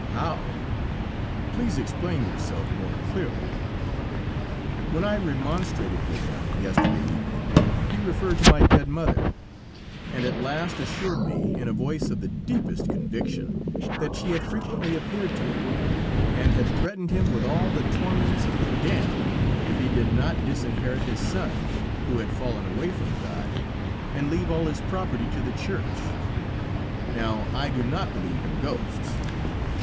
"How? Please explain yourself more clearly." "When I remonstrated with him, yesterday evening, he referred to my dead mother, and at last assured me, in a voice of the deepest conviction, that she had frequently appeared to him, and had threatened him with all the torments of the damned, if he did not disinherit his son, who had fallen away from God, and leave all his property to the Church. Now I do not believe in ghosts."